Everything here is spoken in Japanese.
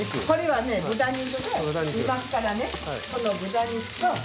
これはね豚肉と。